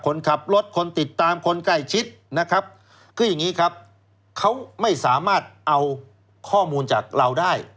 คนขับรถคนติดตามคนใกล้ชิดนะครับคืออย่างนี้ครับเขาไม่สามารถเอาข้อมูลจากเราได้